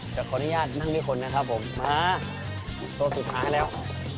แต่ขออนุญาตนั่งด้วยคนนะครับผมมาตัวสุดท้ายแล้ว